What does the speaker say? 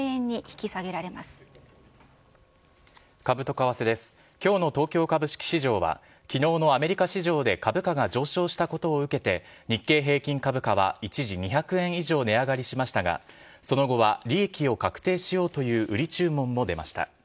きょうの東京株式市場は、きのうのアメリカ市場で株価が上昇したことを受けて、日経平均株価は一時２００円以上値上がりしましたが、その後は利益を確定しようという売り注文も出ました。